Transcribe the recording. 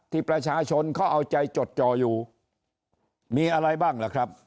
ที่ประชาชนเขาเอาใจจดจออยู่มีอะไรบ้างล่ะครับ